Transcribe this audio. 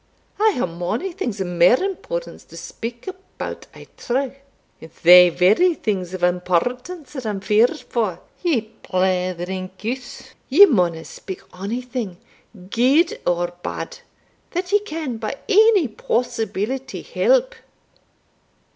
I hae mony things o' mair importance to speak about, I trow." "It's thae very things of importance that I am feared for, ye blethering goose; ye maunna speak ony thing, gude or bad, that ye can by any possibility help."